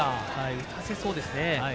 打たせそうですね。